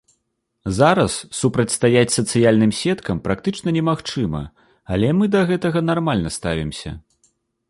Зараз супрацьстаяць сацыяльным сеткам практычна немагчыма, але мы да гэтага нармальна ставімся.